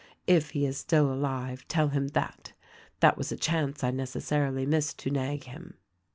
If he is still alive tell him that. That was a chance I neces sarily missed to nag him.